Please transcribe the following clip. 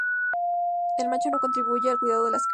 El macho no contribuye al cuidado de las crías.